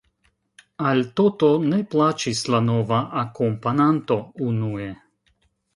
Al Toto ne plaĉis la nova akompananto, unue.